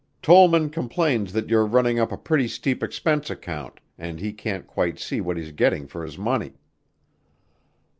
"Tollman complains that you're running up a pretty steep expense account and he can't quite see what he's getting for his money."